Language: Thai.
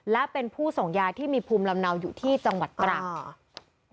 และเป็นผู้ส่งยาที่มีภูมิลำเนาอยู่ที่จังหวัดตรัง